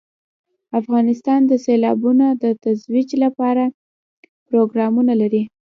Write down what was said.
افغانستان د سیلابونه د ترویج لپاره پروګرامونه لري.